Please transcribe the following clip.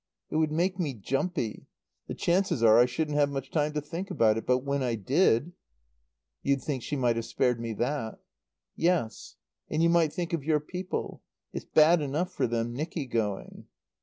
"It would make me jumpy. The chances are I shouldn't have much time to think about it, but when I did " "You'd think 'She might have spared me that.'" "Yes. And you might think of your people. It's bad enough for them, Nicky going."